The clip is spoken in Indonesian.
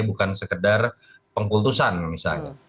bukan sekedar pengkultusan misalnya